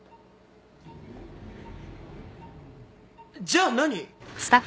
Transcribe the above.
じゃあ何？